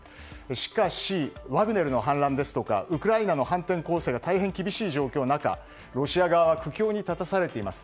しかし、ワグネルの反乱ですとかウクライナの反転攻勢が大変厳しい状況の中ロシア側は苦境に立たされています。